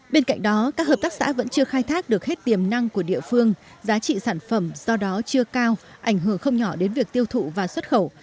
bên cạnh đó các hợp tác xã vẫn chưa khai thác được hết tiềm năng của địa phương giá trị sản phẩm do đó chưa cao ảnh hưởng không nhỏ đến việc tiêu thụ và xuất khẩu